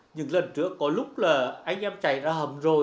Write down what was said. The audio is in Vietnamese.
những lần trước có lúc là anh em chạy ra hầm rồi